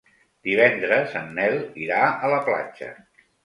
Divendres en Nel irà a la platja.